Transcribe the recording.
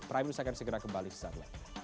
prime news akan segera kembali sesat